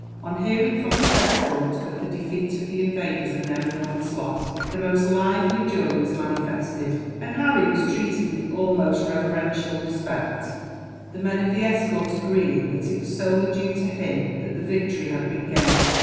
On hearing, from his escort, of the defeat of the invaders and their enormous loss, the most lively joy was manifested; and Harry was treated with almost reverential respect, the men of the escort agreeing that it was solely due to him that the victory had been gained.